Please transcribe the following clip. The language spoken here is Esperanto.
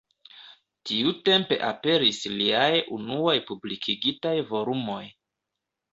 Tiutempe aperis liaj unuaj publikigitaj volumoj.